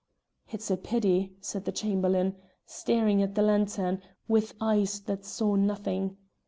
"It's a pity," said the Chamberlain, staring at the lantern, with eyes that saw nothing.